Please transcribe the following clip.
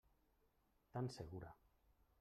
Tan segura.